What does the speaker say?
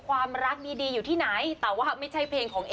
ความรักมีดีอยู่ที่ไหน